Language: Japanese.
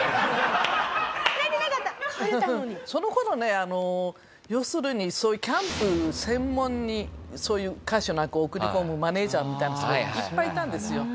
その頃ねあの要するにそういうキャンプ専門にそういう歌手なんかを送り込むマネジャーみたいな人がいっぱいいたんですよ。